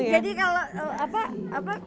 ya itu lah